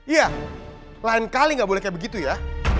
iya lain kali nggak boleh kayak begitu ya